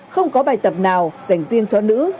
không có bài tập nào dành riêng cho nữ